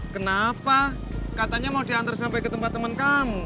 kenapa katanya mau diantar sampai ke tempat teman kamu